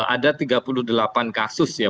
ada tiga puluh delapan kasus ya